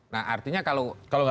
nah artinya kalau lima tahun lagi